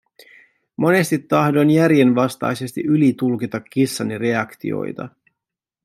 Monesti tahdoin järjenvastaisesti ylitulkita kissani reaktioita.